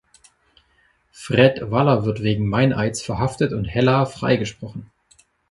Fred Waller wird wegen Meineids verhaftet und Hella freigesprochen.